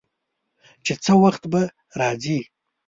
چې څه وخت به راځي.